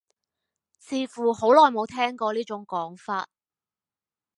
似乎好耐冇聽過呢種講法